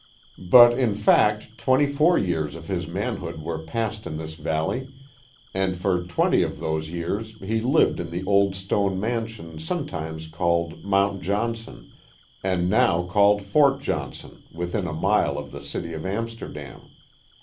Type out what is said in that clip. But in fact twenty four years of his manhood were passed in this valley, and for twenty of those years he lived in the old stone mansion sometimes called Mount Johnson, and now called Fort Johnson, within a mile of the city of Amsterdam.